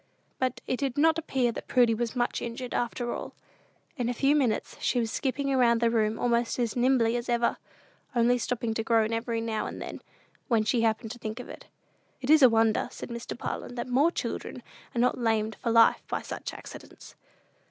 But it did not appear that Prudy was much injured, after all. In a few minutes she was skipping about the room almost as nimbly as ever, only stopping to groan every now and then, when she happened to think of it. "It is a wonder," said Mr. Parlin, "that more children are not lamed for life by such accidents."